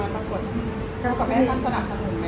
แล้วก็แม่ท่านสนับสนุนไหม